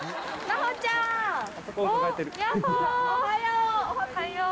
おはよう！